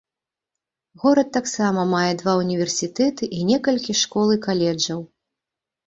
Горад таксама мае два ўніверсітэты і некалькі школ і каледжаў.